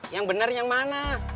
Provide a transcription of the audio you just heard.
yang bener yang mana